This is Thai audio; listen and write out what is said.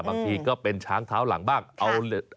บางทีก็เป็นช้างเท้าหลังบ้างเอา